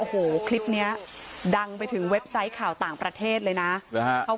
หลายคนก็มองว่าเป็นความมักง่ายของผู้รับเหมาหรือเปล่า